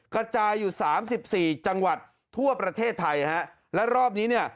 กระจายอยู่สามสิบสี่จังหวัดทั่วประเทศไทยฮะและรอบนี้เนี่ย